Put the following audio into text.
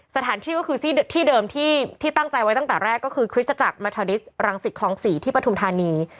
สถานที่ก็คือที่เดิมที่ตั้งใจไว้ตั้งแต่แรกก็คือคริสตจักรมาทอดิสรังสิตคลอง๔ที่ปฐุมธานี